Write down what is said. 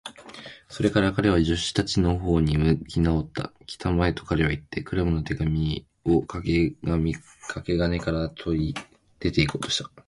それから彼は、助手たちのほうに向きなおった。「きたまえ！」と、彼はいって、クラムの手紙をかけ金から取り、出ていこうとした。